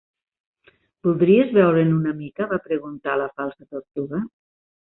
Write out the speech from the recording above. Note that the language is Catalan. "Voldries veure'n una mica?", va preguntar la Falsa Tortuga.